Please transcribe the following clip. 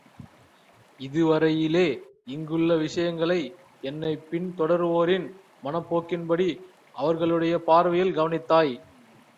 இதுவரையிலே இங்குள்ள விஷயங்களை என்னைப் பின்தொடருவோரின் மனப்போக்கின்படி அவர்களுடைய பார்வையில் கவனித்தாய்.